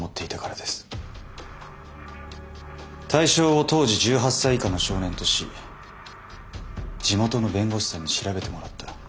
対象を当時１８歳以下の少年とし地元の弁護士さんに調べてもらった。